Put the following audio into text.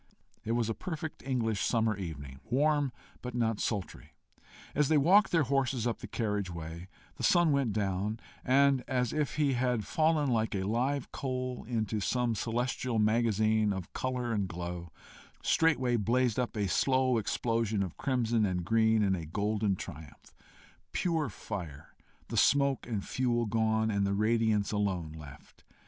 It was a perfect English summer evening warm, but not sultry. As they walked their horses up the carriage way, the sun went down, and as if he had fallen like a live coal into some celestial magazine of colour and glow, straightway blazed up a slow explosion of crimson and green in a golden triumph pure fire, the smoke and fuel gone, and the radiance alone left.